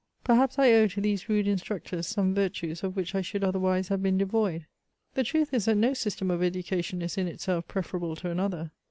Perhaps I owe to these rude instructors some virtues of which I should other wise have been devoid. The truth is, that no system of educa tion ift in itself preferable to another.